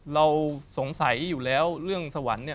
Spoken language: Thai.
เราสงสัยอยู่แล้วเรื่องสวรรค์เนี่ย